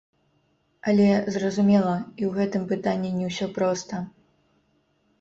Але зразумела, і ў гэтым пытанні не ўсё проста.